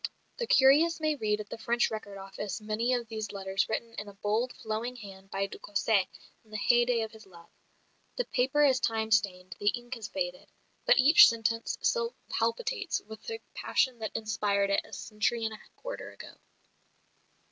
The curious may read at the French Record Office many of these letters written in a bold, flowing hand by de Cossé in the hey day of his love. The paper is time stained, the ink is faded; but each sentence still palpitates with the passion that inspired it a century and a quarter ago.